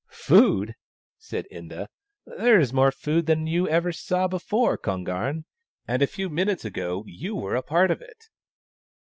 " Food !" said Inda. " There is more food than ever you saw before, Kon garn, and a few minutes ago you were part of it."